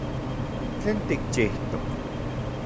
¿Tlen tikchijtok?